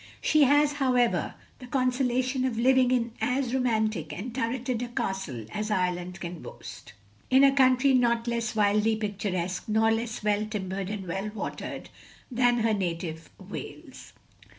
She has, however, the consolation of living in as romantic and ttirreted a castle as Ireland can boast ; in a country not less wildly picturesque, nor less well timbered and well watered, than her native Wales.